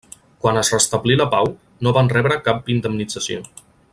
Quan es restablí la pau, no van rebre cap indemnització.